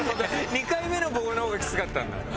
２回目の「棒」の方がきつかったんだ？